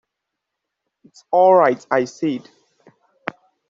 "It's all right," I said.